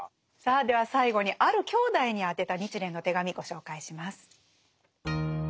さあでは最後にある兄弟に宛てた日蓮の手紙ご紹介します。